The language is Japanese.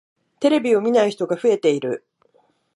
テレビを見ない人が増えている。